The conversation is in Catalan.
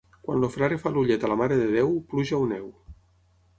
Quan el frare fa l'ullet a la Mare de Déu, pluja o neu.